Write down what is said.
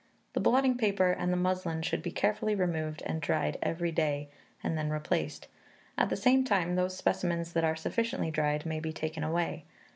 "The blotting paper and the muslin should be carefully removed and dried every day, and then replaced; at the same time, those specimens that are sufficiently dried may be taken away.